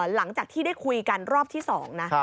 หลังจากที่ได้คุยกันรอบที่๒นะ